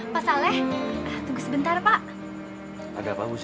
mas saya mau ke rumah